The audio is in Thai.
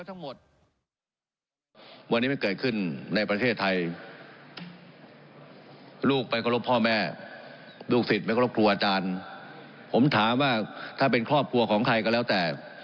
ฟังนายกรัฐมนตรีพูดดีกว่าค่ะ